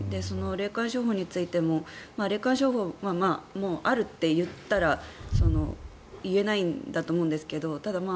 霊感商法についても霊感商法、あるって言ったら言えないんだと思うんですがただ、